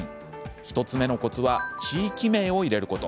１つ目のコツは地域名を入れること。